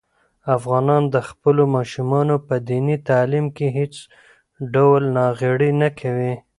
افغانان د خپلو ماشومانو په دیني تعلیم کې هېڅ ډول ناغېړي نه کوي.